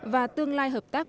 và tương lai hợp tác